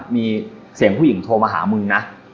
มีเสียงผู้หญิงโทรมาหามึงนะ